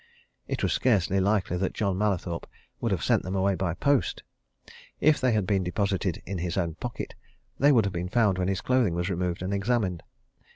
It was scarcely likely that John Mallathorpe would have sent them away by post. If they had been deposited in his own pocket, they would have been found when his clothing was removed and examined.